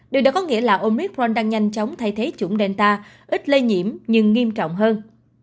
điều đó có nghĩa là omicron đang nhanh chóng thay thế chủng delta ít lây nhiễm nhưng nghiêm trọng hơn